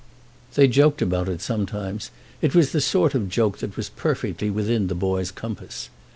They joked about it sometimes: it was the sort of joke that was perfectly within the boy's compass.